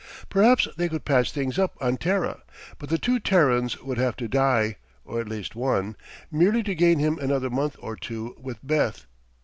Perhaps they could patch things up on Terra, but the two Terrans would have to die, or at least one merely to gain him another month, or two, with Beth.